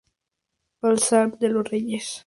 Baltasar de los Reyes.